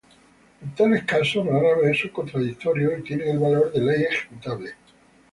En tales casos, rara vez son contradictorias, y tienen el valor de ley ejecutable.